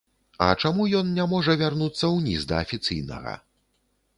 А чаму ён не можа вярнуцца ўніз, да афіцыйнага?